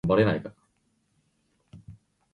Despite its title, none of the film was shot in Brazil.